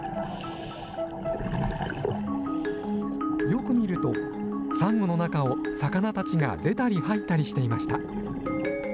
よく見ると、サンゴの中を魚たちが出たり入ったりしていました。